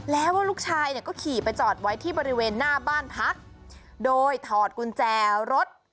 แล้วก็ลูกชายเนี่ยก็ขี่ไปจอดไว้ที่บริเวณหน้าบ้านพักโดยถอดกุญแจรถ